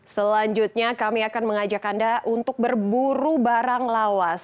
selanjutnya kami akan mengajak anda untuk berburu barang lawas